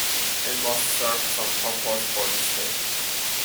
It must serve some purpose for the state.